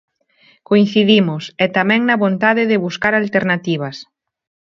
Coincidimos e tamén na vontade de buscar alternativas.